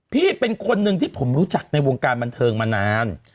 พี่เป็นคนหนึ่งที่ผมรู้จักในวงการบันเทิงมานาน